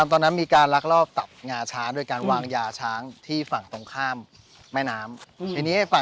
ตอนนั้นมีการรักรอบตับงาช้างโดยการวางยาช้างที่ฝั่งตรงข้ามไม่น้ำ